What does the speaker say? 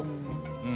うん。